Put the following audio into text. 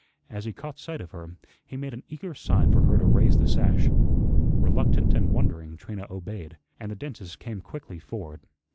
As he caught sight of her, he made an eager sign for her to raise the sash. Reluctant and wondering, Trina obeyed, and the dentist came quickly forward.